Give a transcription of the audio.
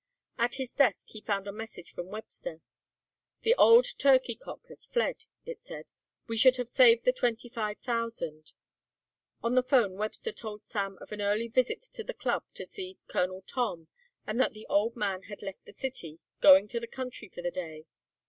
At his desk he found a message from Webster. "The old turkey cock has fled," it said; "we should have saved the twenty five thousand." On the phone Webster told Sam of an early visit to the club to see Colonel Tom and that the old man had left the city, going to the country for the day.